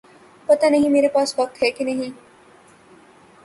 پتا نہیں میرے پاس وقت ہے کہ نہیں